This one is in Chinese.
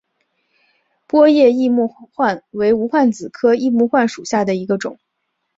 波叶异木患为无患子科异木患属下的一个种。